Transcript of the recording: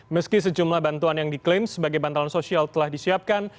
meski sejumlah bantuan yang diklaim sebagai bantalan sosial telah disiapkan